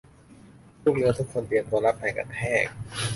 ลูกเรือทุกคน เตรียมตัวรับแรงกระแทก